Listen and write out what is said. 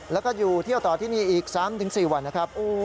แล้วก็อยู่เที่ยวต่อที่นี่อีก๓๔วันนะครับ